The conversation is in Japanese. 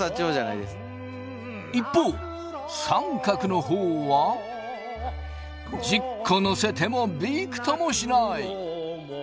一方三角の方は１０個乗せてもビクともしない。